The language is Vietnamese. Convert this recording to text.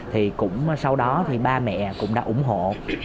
thì cũng sau đó thì ba mẹ cũng đã ủng hộ